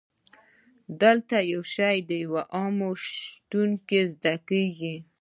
دلته یو شی د یو عامل په شتون کې زده کیږي.